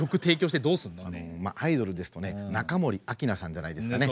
アイドルですとね中森明菜さんじゃないですかね。